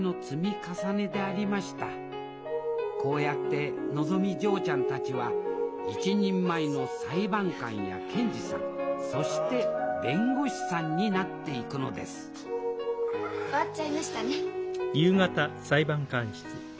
こうやってのぞみ嬢ちゃんたちは一人前の裁判官や検事さんそして弁護士さんになっていくのです終わっちゃいましたね。